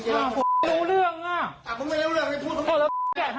อ่าผมไม่รู้เรื่องอ่ะอ่าผมไม่รู้เรื่องพูดพูดพูดทำไมอ่ะ